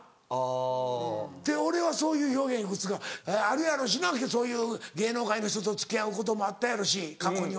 って俺はそういう表現幾つかあるやろうしなそういう芸能界の人と付き合うこともあったやろし過去には。